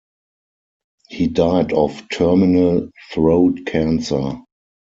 He died of terminal throat cancer.